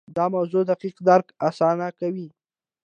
د موضوع دقیق درک اسانه کوي.